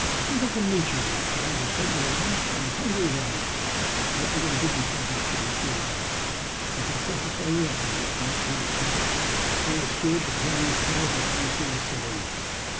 I think I can meet you on that ground," I said with a laugh. I'm as hungry as a hunter. I hope they're going to give me something pretty soon." " I can satisfy you up on that point," he replied. " I saw the steward preparing the tray as I came through the saloon.